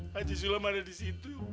haji sulam ada di situ